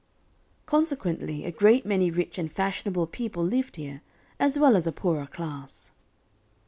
Consequently a great many rich and fashionable people lived here, as well as a poorer class.